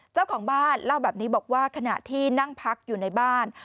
เจ้าของบ้านเล่าแบบนี้บอกว่าขณะที่นั่งพักอยู่ในบ้าน